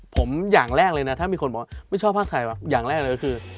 ผมอย่างแรกเลยนะถ้ามีคนบอกว่าไม่ชอบภาคไทยอย่างแรกเลยก็คือ